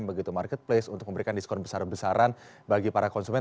begitu marketplace untuk memberikan diskon besar besaran bagi para konsumen